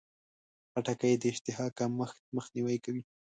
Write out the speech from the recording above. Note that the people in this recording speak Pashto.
خټکی د اشتها کمښت مخنیوی کوي.